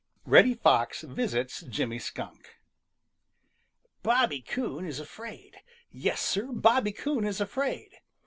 V. REDDY FOX VISITS JIMMY SKUNK |BOBBY COON is afraid! Yes, Sir, Bobby Coon is afraid!